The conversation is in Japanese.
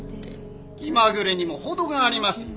気まぐれにも程がありますよ。